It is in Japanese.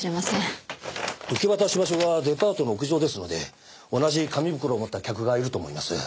受け渡し場所がデパートの屋上ですので同じ紙袋を持った客がいると思います。